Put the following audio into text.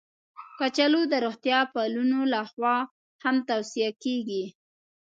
کچالو د روغتیا پالانو لخوا هم توصیه کېږي